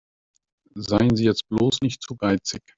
Seien Sie jetzt bloß nicht zu geizig.